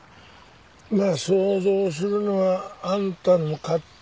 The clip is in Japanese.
まあ想像するのはあんたの勝手や。